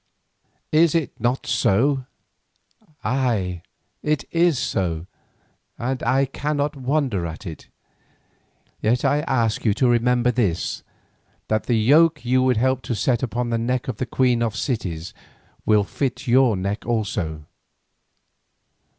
"Is it not so? Ay, it is so, and I cannot wonder at it. Yet I ask you to remember this, that the yoke you would help to set upon the neck of the queen of cities will fit your neck also.